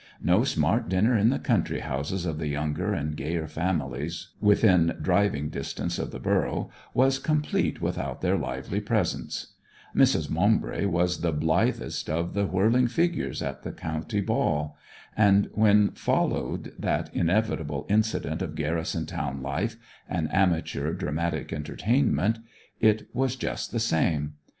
No smart dinner in the country houses of the younger and gayer families within driving distance of the borough was complete without their lively presence; Mrs. Maumbry was the blithest of the whirling figures at the county ball; and when followed that inevitable incident of garrison town life, an amateur dramatic entertainment, it was just the same.